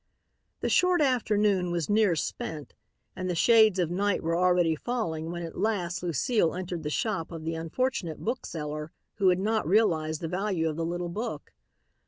The short afternoon was near spent and the shades of night were already falling when at last Lucile entered the shop of the unfortunate bookseller who had not realized the value of the little book.